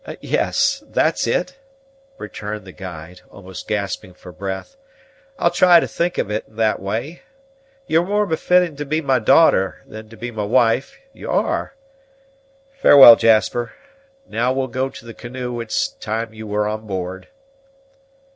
"Yes, that's it," returned the guide, almost gasping for breath; "I'll try to think of it in that way. You're more befitting to be my daughter than to be my wife, you are. Farewell, Jasper. Now we'll go to the canoe; it's time you were on board."